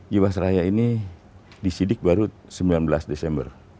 jiwasraya ini disidik baru sembilan belas desember